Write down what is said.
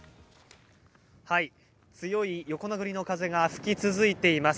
強い横殴りの風が吹き続いています。